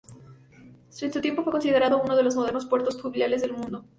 En su tiempo fue considerado uno de los más modernos puertos fluviales del mundo.